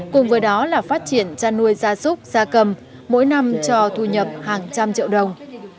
cùng với đó là phát triển chăn nuôi gia súc gia cầm mỗi năm cho thu nhập hàng trăm triệu đồng